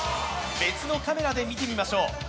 別のカメラで見てみましょう。